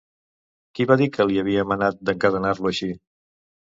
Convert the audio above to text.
Qui va dir que li havia manat d'encadenar-lo així?